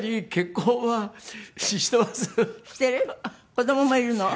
子どももいるの？